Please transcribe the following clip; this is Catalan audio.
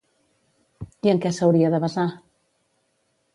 I en què s'hauria de basar?